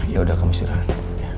ya udah kamu istirahatkan